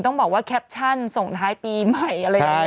ต้องบอกว่าแคปชั่นส่งท้ายปีใหม่อะไรอย่างนี้